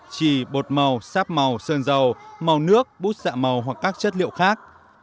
chỉ bột màu sáp màu sơn dầu màu nước bút dạ màu hoặc các chất liệu khác